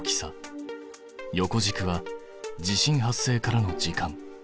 横軸は地震発生からの時間。